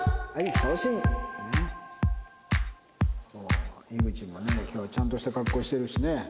井口もね今日はちゃんとした格好してるしね。